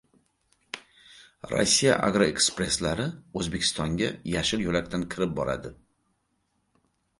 Rossiya "Agroekspress"lari O‘zbekistonga "yashil yo‘lak"dan kirib boradi